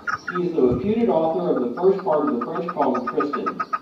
He is the reputed author of the first part of the French poem, Tristan.